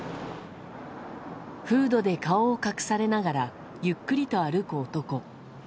フードで顔を隠されながらゆっくりと歩く男。